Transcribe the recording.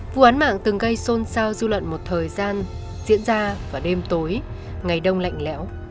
vụ án mạng từng gây xôn xao dư luận một thời gian diễn ra vào đêm tối ngày đông lạnh lẽo